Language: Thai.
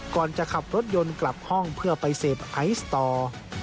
ก่อนจะขับรถยนต์กลับห้องเพื่อไปเสพไอซ์ต่อ